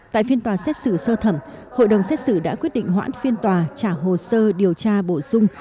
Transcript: tại phiên tòa xét xử sơ thẩm hội đồng xét xử đã quyết định hoãn phiên tòa trả hồ sơ điều tra bổ sung